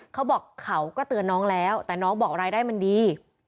เขาบอกเขาก็เตือนน้องแล้วแต่น้องบอกรายได้มันดี